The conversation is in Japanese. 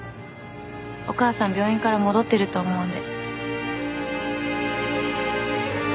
お母さん病院から戻ってると思うんで。